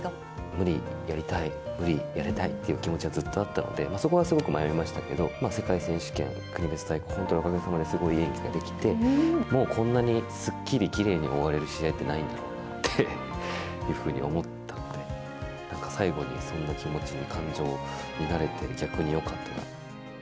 無理、やりたい、無理、やりたいという気持ちはずっとあったので、そこはすごく迷いましたけど、世界選手権、国別対抗、おかげさまで本当にすごいいい演技ができて、もうこんなにすっきりきれいに終われる試合ってないんだろうなっていうふうに思ったので、最後にそんな気持ちに、感情になれて、逆によかったなと。